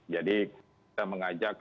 jadi kita mengajak